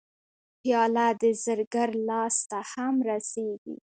پیاله د زرګر لاس ته هم رسېږي.